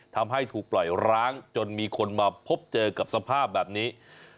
ทำให้ถูกปล่อยร้างจนมีคนมาพบเจอกับสภาพแบบนี้